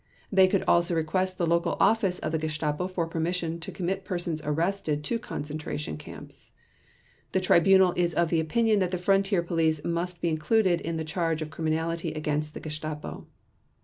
They could also request the local office of the Gestapo for permission to commit persons arrested to concentration camps. The Tribunal is of the opinion that the Frontier Police must be included in the charge of criminality against the Gestapo.